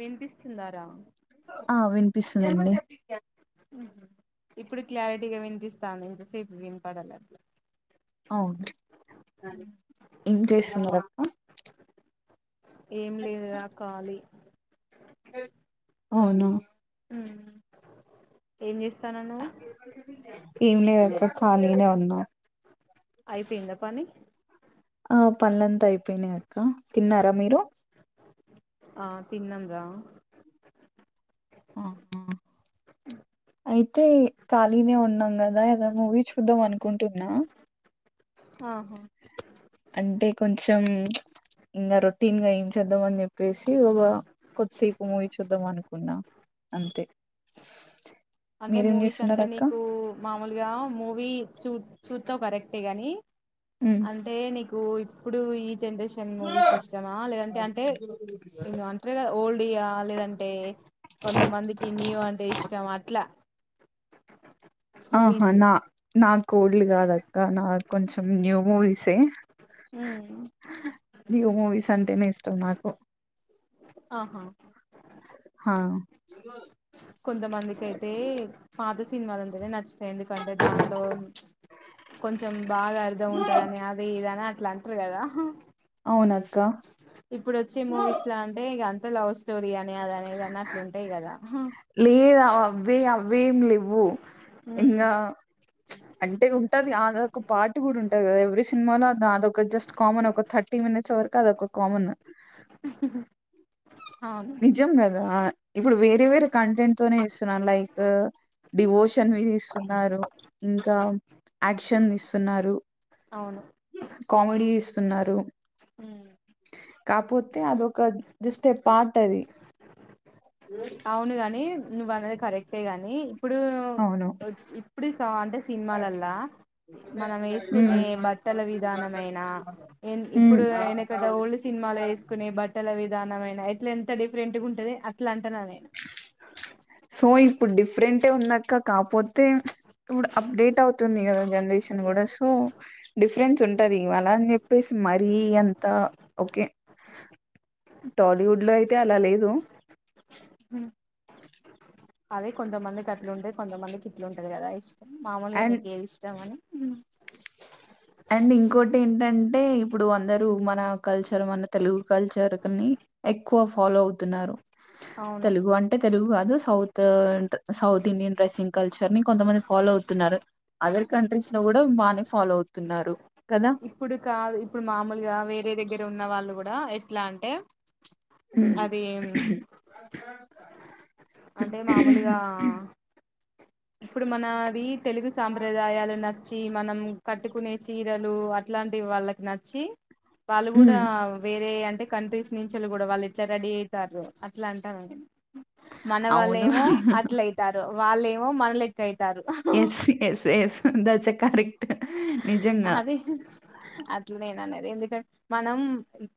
వినిపిస్తుందారా ఆ వినిపిస్తుందండి ఇప్పుడు క్లారిటీగా వినిపిస్తంది. ఇంతసేపు వినపడాలె అట్లా అవును ఏం చేస్తున్నావ్ అక్క ఏం లేదురా కాలి అవునా ఉ ఏం చేస్త ఏం లేదక్కా ఖాళీగనే ఉన్నా అయిపోయిందా పని ఆ పనులంతా అయిపోయినాయి అక్క తిన్నారా మీరు ఆ తిన్నాం రా ఆ అయితే ఖాళీనే ఉన్నాం కదా ఏదో మూవీ చూద్దాం అనుకుంటున్నా ఆహా అంటే కొంచెం ఉ ఇంకా రొటీన్ గా ఏం చేద్దాం అని చెప్పేసి ఒక కొద్దిసేపు మూవీ చూద్దాం అనుకున్నా అంతే అంటే మీరేం మూవీస్ చేస్తున్నారు అంటే అక్క నీకు మామూలుగా మూవీ చూ చూ కరెక్టే గానీ ఉమ్. అంటే నీకు ఇప్పుడు ఈ జనరేషన్ మూవీస్ ఇష్టమా లేదంటే అంటే అంటరు కదా ఓల్డ్ డియా లేదంటే కొంతమందికి న్యూ అంటే ఇష్టం అట్ ఆహా మూవీస్ నా నాకు ఓల్డ్ కాదు ఇంకా నా కొంచెం న్యూ మూవీసే ఉమ్ న్యూ మూవీస్ అంటేనే ఇష్టం నాకు ఆహా హా సిన్మాలుంటేనే నచ్చుత ఎందుకంటే దాంట్లో కొంచెం బాగా అర్థం ఉంటదని అది ఇదని అట్లా అంటరు కదా అవునక్క ఇప్పుడు వచ్చే మూవీస్ లా అంటే ఇగ అం లా [unintelligible] స్టోరీ అని అది అని ఇది అన్నట్లు ఉంటయి కదా లేద అవే అవేమి లెవ్వు ఇంకా అంటే ఉంటది ఆదొక పాట కూడా ఉంటది కదా సినిమాలో అదొక జస్ట్ కామన్ ఒక థర్టీ మినిట్స్ వరకు అదొ ఒక కామన్ అవును నిజం కదా ఇప్పుడు వేరే వేరే కంటెంట్ తోనే ఇస్తున్నారు లైక్ డివోషన్ వి తీస్తున్నారు ఇంకా యాక్షన్ తీస్తున్నారు అవును కామెడీ తీస్తున్నారు ఉ కాకపోతే అదొక జస్ట్ ఏ పార్ట్ అది అవును కాగాని నువ్న్ది కరెక్ట్ అంతేగాని ఇప్పుడు అవును ఇప్పుడు అంటే సినిమాలల్లా మనం ఉమ్ వేసుకునే బట్టల విధానమైన ఎ ఉమ్ ఇప్పుడు ఎందుకంటే ఓల్డ్ సినిమాలు వేసుకునే బట్టల విధానమైన ఎట్ల డిఫరెంట్గా ఉంటుది అట్లా అంటనని [unintelligible] సో ఇప్పుడు డిఫరెంట్ే ఉన్నాక కాపోతే ఇప్పుడు అప్డేట్ అవుతుంది కదా జనరేషన్ కూడా సో డిఫరెన్స్ ఉంటంది అలా అని చెప్పేసి మరీ అంత ఓకే టాలీవుడ్ లో అయితే అలా లేదు అదే కొంతమంది కట్లు ఉండే కొంతమంది ఇట్లుంటది కదా ఐస్ మామూలుగా అండ్ నీకేదిష్టాం అని టీ ఏంటంటే ఇప్పుడు అందరు మన కల్చర్ మన తెలుగు కల్చర్ని ఎక్కువ ఫాలో అవుతున్నారు. అవును తెలుగు అంటే తెలుగు కాదు south south Indian dressing culture ని కొంతమంది ఫాలో అవుతుంది అదర్ కంట్రీస్ లో కూడా బాగానే ఫాలో అవుతున్నారు కదా ఇప్పుడు కాదు ఇప్పుడు మామూలుగా వేరే దగ్గర ఉన్న వాళ్ళు కూడా ఎట్లా అంటే అది అంటే మామూలుగా ఇప్పుడు మన్నా ది తెలుగు సాంప్రదాయాలున్న నచ్చి మనం కట్టుకునే చీరలు అట్లాంటివి వాళ్ళకి నచ్చి వాళ్ళు కూడా హ్మ్. వేరే అంటే కంట్రీస్ నించి వాల్ కూడా వాళ్ళు ఇట్లా రెడీ అవుతారు అట్ల అంట [inaudible] మన వాళ్ళ అవును. ఏమో అట్లయితారు వాళ్ళేమో మో మనలేక అయ్ ఎస్ ఎస్ ఎస్ థట్స్ యే కారిక్ అదే అట్లా నేను అనేద్ ఎందుకం మనం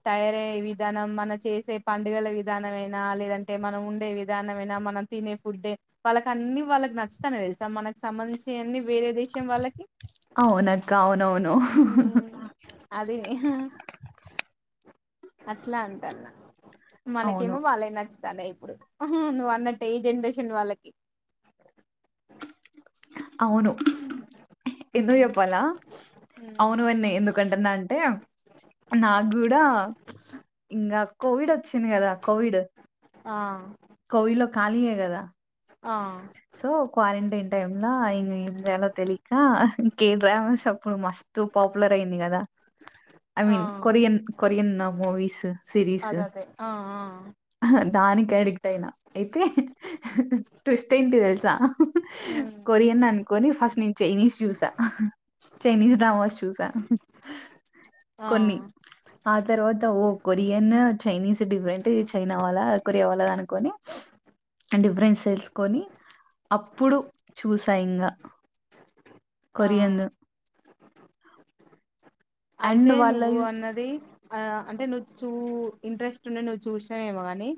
తయారయ్యే విధానం, మన చేసే పండుగల విధానంమయినా, లేదంటే మనం ఉండే విధానమయినా, మనం తిన్నే ఫుడ్డే, వాళ్ళకి అన్ని వాళ్ళకి నచ్చుతానే తెలుసా మనకు సంబంధించినవని వేరే దేశం వాళ్ళకి అవునక్కా అవునవును మ్మ్ అది అట్లా అంటన్న అవును. మనకేమో వాళ్ళ యి నచ్చ నువ్వు అన్నట్టే ఈ జనరేషన్ వాళ్ళకి అవును ఉమ్ ఎందుకు చెప్ప లా ఉమ్ అవునువన్నీ ఎందుకంటన్నా అంటే నాకు కూడా ఇంగా కోవిడ్ వచ్చింది కదా కోవిడ్ ఆ కోవిడ్లో ఖాళీయే కదా. ఆ సో క్వారంటైన్ టైమ్ లో ఇంగా ఏం చేయాలో తెలీక కె డ్రామస్ అప్పుడు మస్తు పాపులర్ అయింది కదా. ఐ ఆ మీన్ కొరియన్ కొరియన్ నా మూవిస్ సిరీస్ అదదే ఆ ఆ దానికి అడిక్ట్ అయితే ట్విస్ట్ ఏంటి తెల్సా ఉమ్ కొరియన్ అనుకొని ఫస్ట్ నేను చైనీస్ చ్యూసా. ఆహ్ చైనీస్ డ్రామాస్ చూసా. ఆ కొన్ని ఆ తర్వాత ఓ కొరియన్ చైనీస్ డిఫరెంట్ ఇది చైనా వాళ్ళది, అది కొరియా వాళ్ళది అను కొని డిఫరెన్స్ తెల్సుకొని అప్పుడు చూసా ఇంగా ఆ కొరియందు అండ్ అయితే నువ్వు వాళ్ళవి అన్నది ఆ అంటే నువ్వు చూ ఇంట్రెస్ట్ ఉండే నువ్వు చూసినవేమో కాని.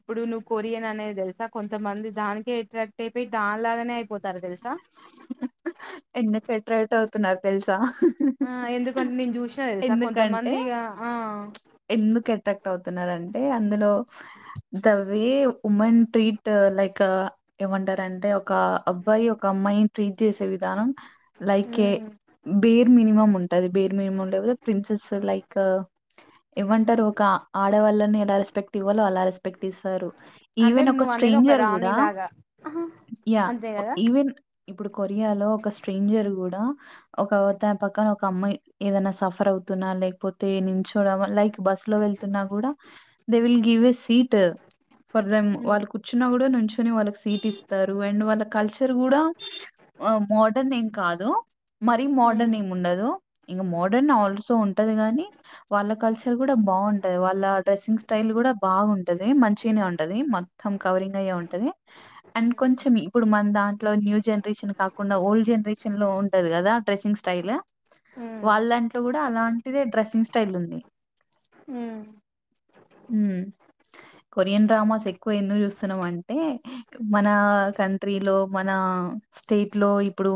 ఇప్పుడు నువ్వు కొరియన్ అనేది తెలుసా కొంతమంది దానికే అట్రాక్ట్ అయిపోయి దాని లాగానే అయిపోతారు తెలుసా. ఎందుకు అట్రాక్ట్ అవుతున్నారు తెలుసా. ఆ ఎందుకంటే నేను చూశినా తెలుసా కొంతమంది ఎందుకంటే ఇగా ఆ ట్రాక్ట్ అవుతున్నారంటే అందులో the way women treat like ఏమంటారంటే ఒక అబ్బాయి ఒ క అమ్మాయిని ట్రీట్ చేసే విధానం like a hmm bare minimum ఉంటది బేర్ మినమం లేకపోతే ప్రిన్సెస్ లైక్ ఎమంటరు ఒక ఆడవాళ్ళని ఎలా రెస్పెక్ట్ ఇవ్వాలో అలా రెస్పెక్ట్ ఇస్తారు. అంటే ఈవెన్ ఒక నువ్వు అనేది స్ట్రేంజర్ కూడా రాణిలాగా యా అంతే కదా ఈవెన్ ఇప్పుడు కొరియా లో ఒక స్ట్రేంజర్ కూడా ఒక అవతని పక్కన ఒక అమ్మాయి ఏదైనా సఫర్ అవుతున్నా లేకపోతే నించోన లైక్ బస్ లో వెళ్తున్నా కూడా they will give a seat. For them um వాళ్ళు కూర్చున్నా కూడా నుంచి ని వాళ్ళకి సీట్ ఇస్తారు అండ్ వాళ్ళ కల్చర్ కూడా మోడర్న్ ఏం కాదు. మరి ఉమ్ మోడర్న్ ఏమి ఉండదు. ఇంగా మోడర్న్ ఆల్సో ఉంటది. కాని వాళ్ళ కల్చర్ కూడా బావుంటది. వాళ్ళ డ్రెస్సింగ్ స్టైల్ కూడా బాగుంటది. మంచి గనే ఉంటది మొత్తం. కవరింగ్ అయ్యె ఉంటది అండ్ కొంచెం ఇప్పుడు మన దాంట్లో న్యూ జనరేషన్ కాకుండా ఓల్డ్ జనరేషన్ లో ఉంటది కదా డ్రెస్సింగ్ స్టైల్ ఉమ్ వాళ్ళ దాంట్లో కూడా అ అలాంటిదే డ్రెస్సింగ్ స్టైల్ ఉంది. హ్ హ్ కొరియన్ డ్రామాస్ ఎక్కువ ఎందుకు చూస్తున్నాం అంటే మన కంట్రీలో మన స్టేట్ లో ఇప్పుడు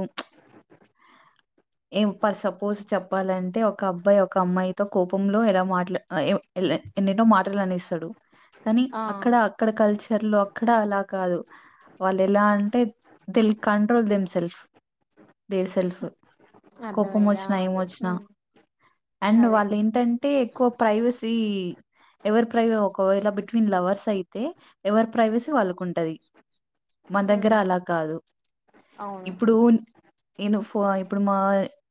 ఏ పర్ సపోజ్ చెప్పాలంటే ఒక అబ్బాయి ఒక అమ్మాయితో కోపంలో ఎలా మాట్లా ఎమో ఎలా ఎన్నెన్నో మాటలు అనేస్తడు కానీ ఆ అక్కడ అక్కడ కల్చ చెలు అక్కడ అలా కాదు వాళ్ళు ఎలా అంటే తెలు control them self their self కోపం అర్థమైంది ఆ వచ్చినా ఏమి అదే వచ్చినా ఉమ్ అండ్ అదే వాళ్ళు ఏంటంటే ప్రైవసీ ఎవరు ప్రైవ ఒకవేళ బిట్వీన్ లవర్స్ అయితే ఎవరి ప్రైవసీ వాళ్ళకు ఉంటది మన దగ్గర ఉమ్ అలా కాదు అవును ఇప్పుడు నేను ఫో ఇప్పుడు మా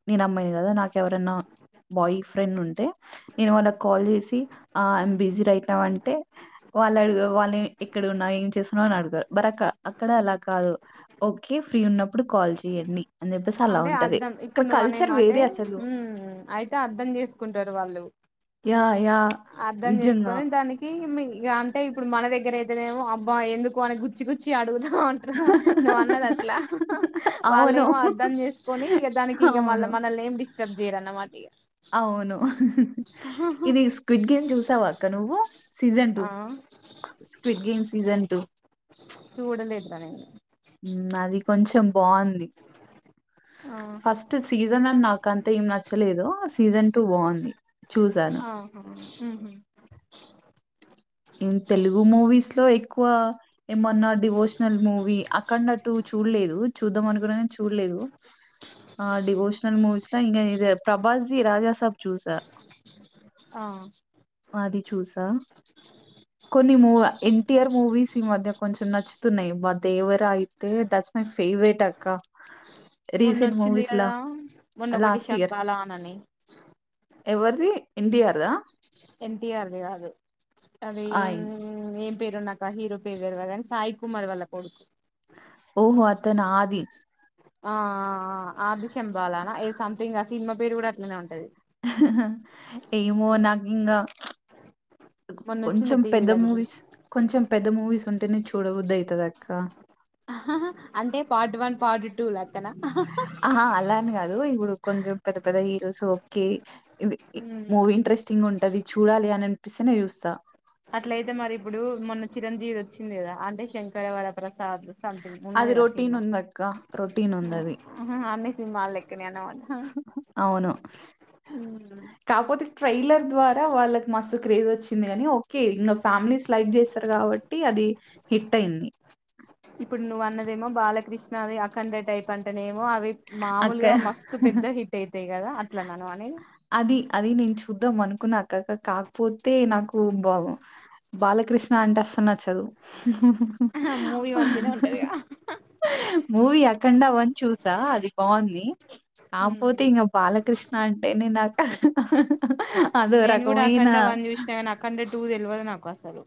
నేను అమ్మాయిని కదా నాకు ఎవరన్నా బాయ్ ఫ్రెండ్ ఉంటే నేను వాళ్ళకి కాల్ చేసి ఆ యామ్ బిజీ రైట్ నౌ అంటే వాళ్ళు అడు వాళ్ళు ఎక్కడున్నా ఏం చేస్తున్నావు అని అడుగుతారు బట్ అక్కడ అలా కాదు ఓకే ఫ్రీ ఉన్నప్పుడు కాల్ చేయండి అని చెప్పేసి అలా అంటే ఉంటది అర్ధం అక్కడ ఇప్పుడు నువ్ అనే కల్చర్ మాటే వేరే అసలు హ్మ్ అయితే అర్ధం చేసుకుంటారు వాళ్ళు యా యా నిజంగా క అంటే ఇప్పుడు మన దగ్గర అయితేనేమో అబ్బా ఎందుకు అని గుచ్చి గుచ్చి అడుగుతా ఉంటారు నువవు అన్నది అట్లా వాళ్ళ అవును ఏమో అర్ధం చేసుకోని ఇక దానికి ఇక మళ్ళ అవును మనల్ని సబ్ జీ ఇరన్న మాగా అవును ఇది స్క్విడ్ గేమ్ చూసావాక్క నువ్వు సీజన్ టూ ఆ స్క్విడ్ గేమ్ సీజన్ టూ చూడలేదురా నేను అది కొంచెం బాగుంది ఆహా ఫస్ట్ సీజన్ అన్ నాకు అంత ఏం నచ్చలేదుో సీజన్ టూ బాగుంది చూశాను హా ఇ తెలుగు మూవీస్ లో ఎక్కువ ఏమన్నా డివోషనల్ మూవీ అక్కనట్టు చూడలేదు చూద్దాం అనుకున్నా చూడలేదు ఆ డివోషనల్ మూవీస్ లో ఇంకా ఇద ప్రభాస్ జీ రాజాసాబ్ చూసా హా అది చూసా కొన్ని మూ ఎన్టీఆర్ మూవీస్ ఈ మధ్య కొంచం నచ్చుతున్నాయి మా దేవరా అయితే దట్స్ మై ఫేవరెట్ అక్క రీసెంట్ మొన్నొచ్చింది మూవీస్ లా కదా మొన్నొ ఒకటి లాస్ట్ ఇయర్ శంబాల అనని ఎవరిది ఇడియార్దా ఎన్టీఆర్ది కాదు అది ఆ ఎన్- పేరు నాక హీరో పేరు వేరుగాని సాయి కుమార్ వాల్ళ కొడుకు ఓహో అత నా ఆది హా ఆది చెంపాలనా ఇది సంథింగ్ సినిమా పేరు కూడా అట్లనే ఉంటది ఏమో నాకు ఇంకా మొన్న వచ్చింది కొంచెం పెద్ద టీవీలకి మూవీస్ చూసి కొంచెం పెద్ద మూవీస్ ఉం టర్ని చూడబుద్ ఐతదాక్క అంటే పార్ట్ వన్ పార్ట్ టు చూ లక్కన ఆహా అలా కాదు ఇప్పుడు కొంచెం పెద్ద పెద్ద హీరోస్ ఓకే ఇది మూవీ ఇంట్రెస్టింగ్ ఉంటాది చూడాలి, అని అనిపిస్తేనే చూస్తా అట్లయితే మరి ఇప్పుడు మొన్న చిరంజీవిద్ వచ్చింది కదా అంటే శంకర వర ప్రసా సాద్ సమ్థింగ్ ఉన్నది అది కాద రొటీన్ సినిమా ఉంది అక్క రొటీన్ ఉంది హ్మ్ అది హుహు అమిస్ సినిమా లెక్క నేను హా హ్మ్ కాక్పోతే ట్రై ఈలర్ ద్వారా వాళ్ళకి మస్తు క్రేజ్ వచ్చింది,, కానీ ఓకే ఇంకా ఫ్యామిలీస్ లైవ్ చేస్తారు కాబట్టి, అది హిట్ అయింది. ఇప్పుడు నువ్వు అన్నదేమో బాలకృష్ణది అఖండ టైప్ అంటనే మో అవి అక్క మామలుగా మస్తు పెద్ద హిట్ అయి అంతే కదా అట్లాన్ అది అది నేను చూద్దాం అన్ అక్కక్క కాకపోతే నాకు బా బాలకృష్ణ అంటే వస్తున్నా చదువు మూవీ మంచినే ఉంటదిగా మూవీ ఆఖండ వన్ చూసా అది బాగుంది. నా పోతే ఇం బాలకృష్ణా నాక నేను కూడా అ కండే వన్ చూసిన కా ఆ అ కండే టూ తెలియదు నాకు అస్త సలు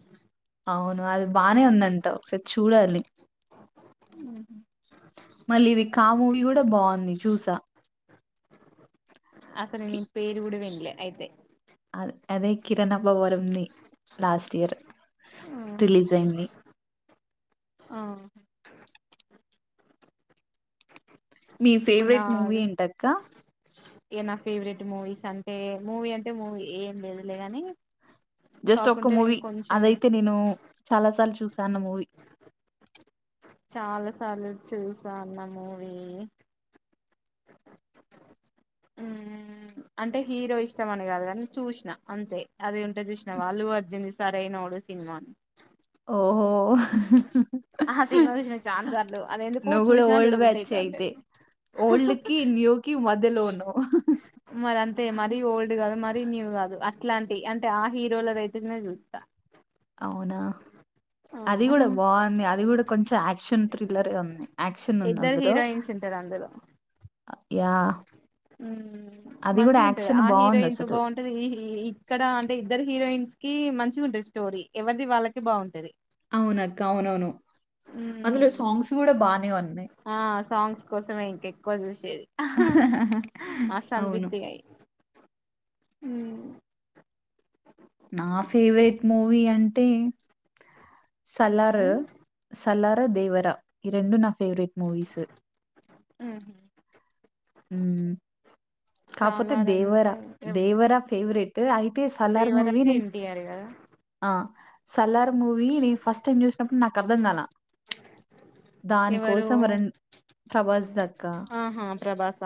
అవును అది బాగానే ఉందంట ఒకసారి చూడాలి మళ్ళీ ఇది కా మూవీ కూడా బాగుంది చూసా అసలుే న పేరు కూడా వెడిలే అయితే అే అద అదే కిరణప్ప వరంని లాస్ట్ ఇయర్ రిలీజ్ అయింది ఆ మీ ఇప్పుడు ఫేవరెట్ మూవీ ఏంటక్క ఏ నా ఫేవరెట్ మూవీస్ అంటే మూవీ అంటే మూవీ ఏం లేదులేగాని జస్ట్ ఒక మూవీ అదైతే నేను చాలా సార్లు చూశాన్న మూవీ చాలా సార్లు చూసాన్న మూవీ అంటే హీరో ఇష్టం అని కాదు కాని చూసిన అంతే అదేంట చూసినా వాళ్ళు అర్జన్ సరే నోడు సినిమాను ఓహో! ఆ సినిమా చూసిన చానాసార్లు అది ఎందుకో నువ్వు గూడా చూసినా ఓల్డ్ చూడ బుద్ధి బ్యాచే అయితా ఉంటది అయితే. మధ్య లో ఉన్నావ్ మరి అంతే మరీ ఓల్డ్ కాదు మరీ న్యూ కాదు ఇట్లాంటి అంటే ఆ హీరోలదయితేనే చూస్తా అవునా ఆ అది కూడా బాగుంది అది కూడా కొంచెం యాక్షన్ థ్రిల్లరే ఉంది యాక్షన్ ఉంది ఇద్దరు అందులో అ అది గూడా మంచిగా ఉంటది యాక్షన్ ఆ హీరోయిన్తో బావుందసలు. బాగుంటది ఈ హీఇక్కడ అంటే ఇద్దరు హీరోయిన్స్ కి మంచిగ ఉంటది స్టోరీ ఎవరిది వాళ్ళకి బాగుంటది అవునక్క అవునవును అందులో మ్మ్ సాంగ్స్ కూడా బానే ఉన్నాయి కొ చూసేది అహహ అవును అ నా ఫేవరెట్ మూవీ అంటే సలారు సలారు ర దేవరా ఈ రెండు నా ఫేవరెట్ మూవీస్ హ్మ్ హ్మ్ కాకపోతే సాలార్ అంటే దేవరా ఎవ్ దేవరా ఫేవరెట్ అయితే సలార్ దేవర్ మూవీ అంటే నేను ఎన్టీఆర్ కదా ఆ సలార్ మూవీ నేను ఫస్ట్ టైం చూసి అప్పుడు నాకు అర్థం కాల దాని ఎవరు కోసం రెన్ ప్రభస్ దత్ ఆహా ప్రభాస్ స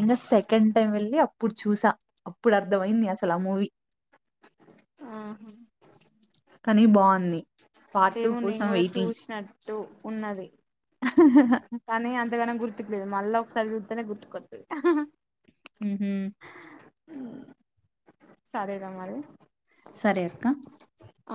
ఇంకా సెకండ్ టైం వెళ్ళి అప్పుడు చూసా అప్పుడు అర్థ అయింది అసలు ఆ మూవీ ఆహా కానీ బాగుంది ఏమో నేను కూడా చూసినట్టు ఉన్నది కానీ అంతగాన గుర్తు మళ్ళా ఒకసారి చూతనే గుర్తుకొతుది హు సరే రామరి సరే అక్క. ఆ